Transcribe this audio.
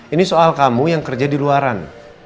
ini soal kamu yang kerja di luaran